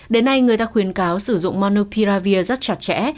đến nay người ta khuyến cáo sử dụng monopiravir rất chặt chẽ